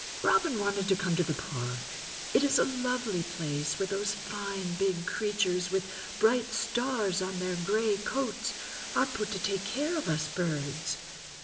Robin wanted to come to the park—it is a lovely place—where those fine big creatures with bright stars on their gray coats are put to take care of us birds.